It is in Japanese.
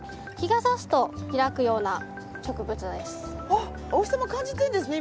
あっお日さま感じているんですね